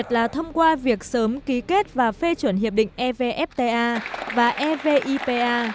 trong qua việc sớm ký kết và phê chuẩn hiệp định evfta và evipa